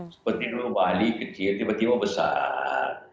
seperti dulu bali kecil tiba tiba besar